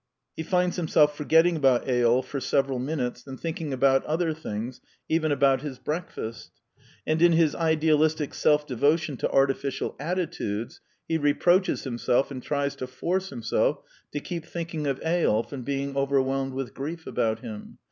He finds himself forgetting about Eyolf for several minutes, and thinking about other things, even about his break fast; and in his idealistic self devotion to artifi cial attitudes he reproaches himself and tries to force himself to keep thinking of Eyolf and being overwhelmed with grief about him.